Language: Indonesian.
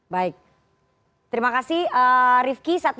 baik terima kasih rifki